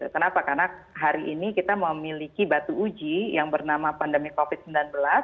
kenapa karena hari ini kita memiliki batu uji yang bernama pandemi covid sembilan belas